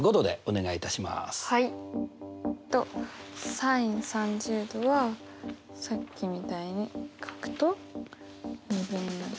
ｓｉｎ３０°はさっきみたいに書くと２分の１。